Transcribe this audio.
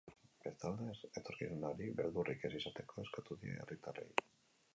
Bestalde, etorkizunari beldurrik ez izateko eskatu die herritarrei.